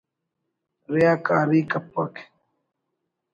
ریاکاری کیک